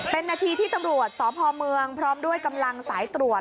เป็นนาทีที่ตำรวจสพเมืองพร้อมด้วยกำลังสายตรวจ